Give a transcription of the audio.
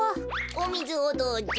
おみずをどうじょ。